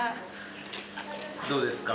どうですか？